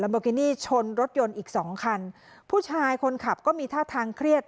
โบกินี่ชนรถยนต์อีกสองคันผู้ชายคนขับก็มีท่าทางเครียด